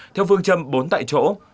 theo phương châm bốn tại chỗ